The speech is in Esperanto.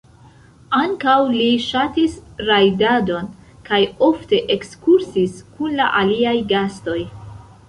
Ankaŭ li ŝatis rajdadon kaj ofte ekskursis kun la aliaj gastoj.